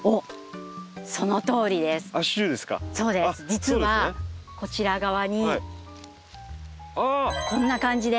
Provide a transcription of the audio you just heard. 実はこちら側にこんな感じで。